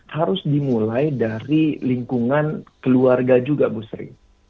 harus dimulai dari lingkungan keluarga juga bu sri